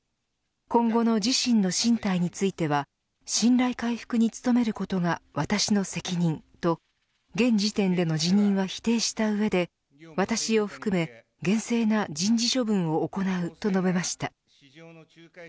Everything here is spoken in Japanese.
今後の自身の進退については信頼回復に努めることが私の責任と現時点での辞任は否定した上で私を含め厳正な人事処分を行うと述べました。